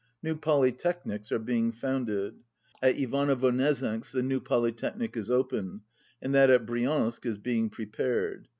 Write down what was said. New polytechnics are being founded. At Ivano Vosnesensk the new polytechnic is opened and that at Briansk is be ing prepared.